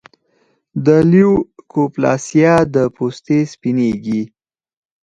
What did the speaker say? د لیوکوپلاسیا د پوستې سپینېږي.